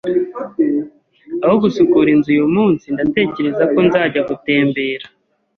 Aho gusukura inzu uyumunsi, ndatekereza ko nzajya gutembera.